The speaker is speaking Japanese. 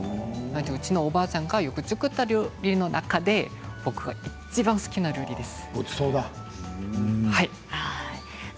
うちのおばあちゃんがよく作った料理の中で僕がいちばん好きな料理です。